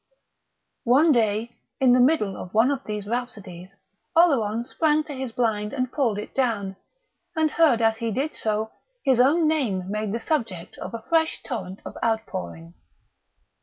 One day, in the middle of one of these rhapsodies, Oleron sprang to his blind and pulled it down, and heard as he did so his own name made the subject of a fresh torrent of outpouring.